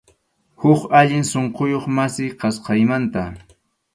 Huk allin sunquyuq masi, kasqaymanta.